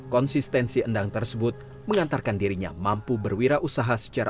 konsistensi ndang tersebut mengantarkan dirinya mampu berwirausaha